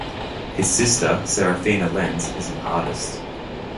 His sister Seraphina Lenz is an artist.